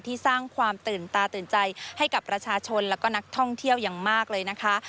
สร้างความตื่นตาตื่นใจให้กับประชาชนแล้วก็นักท่องเที่ยวอย่างมากเลยนะคะ